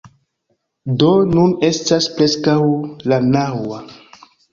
Do, nun estas preskaŭ la naŭa